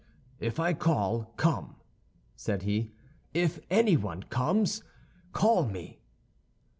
"If I call, come," said he. "If anyone comes, call me."